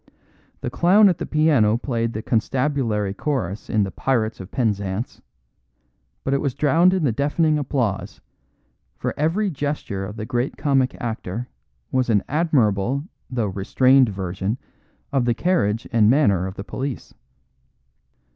The clown at the piano played the constabulary chorus in the "Pirates of Penzance," but it was drowned in the deafening applause, for every gesture of the great comic actor was an admirable though restrained version of the carriage and manner of the police.